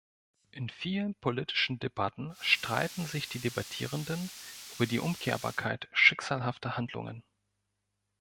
In vielen politischen Debatten streiten sich die Debattierenden über die Umkehrbarkeit "schicksalhafter " Handlungen